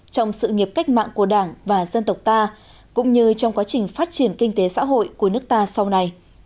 trong sự nghiệp cách mạng của đảng và dân tộc ta cũng như trong quá trình phát triển kinh tế xã hội của nước ta sau này